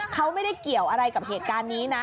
เขาไม่ได้เกี่ยวอะไรกับเหตุการณ์นี้นะ